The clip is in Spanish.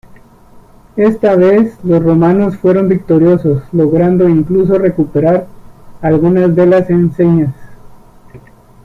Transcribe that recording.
Esta vez los romanos fueron victoriosos, logrando incluso recuperar algunas de las enseñas.